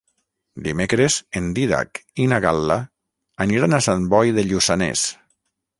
Dimecres en Dídac i na Gal·la aniran a Sant Boi de Lluçanès.